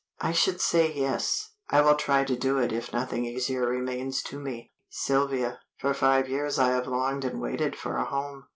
"I should say yes, I will try to do it if nothing easier remains to me. Sylvia, for five years I have longed and waited for a home.